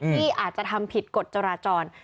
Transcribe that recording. ที่อาจจะทำผิดกฎจราจร